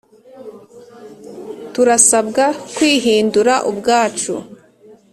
“turasabwa kwihindura ubwacu.”